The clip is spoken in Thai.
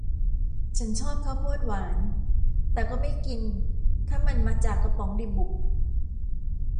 ฉันชอบข้าวโพดหวาน แต่ก็ไม่กินถ้ามันมาจากกระป๋องดีบุก